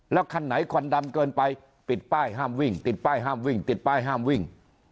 แล้วคันไหนควันดำเกินไปปิดป้ายห้ามวิ่งติดป้ายห้ามวิ่งติดป้ายห้ามวิ่ง